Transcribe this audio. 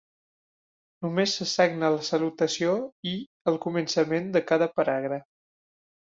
Només se sagna la salutació i el començament de cada paràgraf.